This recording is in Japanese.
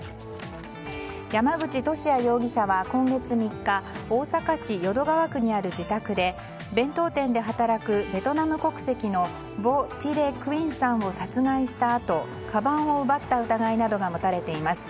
山口利家容疑者は今月３日大阪市淀川区にある自宅で弁当店で働くベトナム国籍のヴォ・ティ・レ・クインさんを殺害したあとかばんを奪った疑いなどが持たれています。